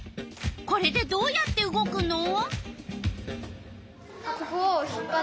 これでどうやって動くの？